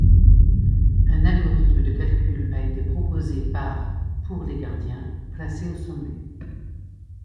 Un algorithme de calcul a été proposé par pour les gardiens placés aux sommets.